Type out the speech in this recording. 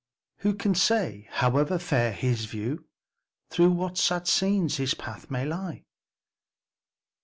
who can say, however fair his view, Through what sad scenes his path may lie?"